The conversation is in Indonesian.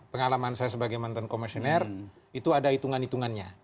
pengalaman saya sebagai mantan komisioner itu ada hitungan hitungannya